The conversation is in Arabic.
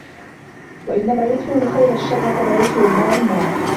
وَإِنَّمَا يُطْفِئُ الْخَيْرُ الشَّرَّ كَمَا يُطْفِئُ الْمَاءُ النَّارَ